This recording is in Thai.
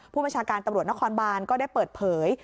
ผู้บัญชาการตำรวจนครบานก็ได้เปิดเผย